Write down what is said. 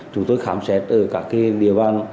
chúng tôi khám xét ở các cái địa bàn